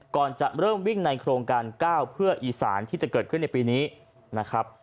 ก่อนจะเริ่มวิ่งในโครงการ๙เพื่ออีสานที่จะเกิดขึ้นในปีนี้นะครับ